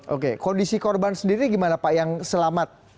oke kondisi korban sendiri gimana pak yang selamat